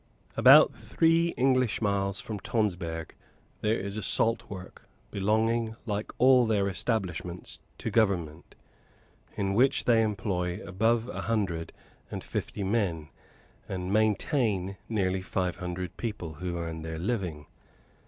About three English miles from Tonsberg there is a salt work, belonging, like all their establishments, to Government, in which they employ above a hundred and fifty men, and maintain nearly five hundred people, who earn their living.